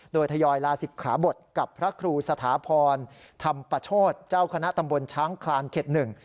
โดยทยอยลาศิกขาบทกับพระครูสถาพรธรรมปโชธเจ้าคณะตำบลช้างคลานเข็ดหนึ่ง